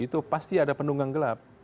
itu pasti ada penunggang gelap